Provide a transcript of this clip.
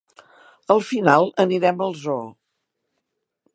Al final anirem al zoo.